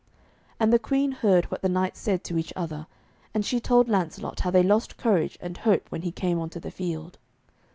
And the Queen heard what the knights said to each other, and she told Lancelot how they lost courage and hope when he came on to the field.